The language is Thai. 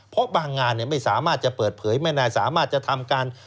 เพราะบางงานไม่สามารถจะเปิดเผยไม่น่าสามารถจะทำการ